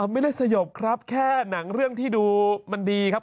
ไม่ได้สยบครับแค่หนังเรื่องที่ดูมันดีครับ